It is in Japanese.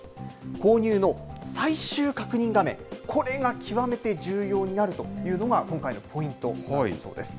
購入の最終確認画面、これが極めて重要になるというのが、今回のポイントだそうです。